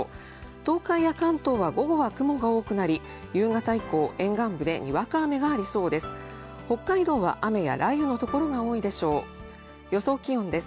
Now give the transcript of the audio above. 東海や関東は午後は雲が多くなり夕方以降、沿岸部でにわか雨がありそうです。